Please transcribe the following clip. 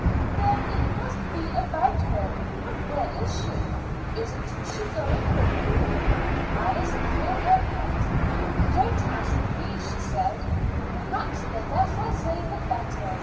"Then it must be about her. But where is she? Isn't she going with you?" Alice threw up her hands. "Don't ask me," she said; "perhaps the less I say the better.